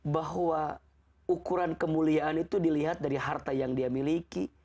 bahwa ukuran kemuliaan itu dilihat dari harta yang dia miliki